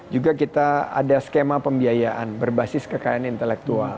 juga kita ada skema pembiayaan berbasis kekayaan intelektual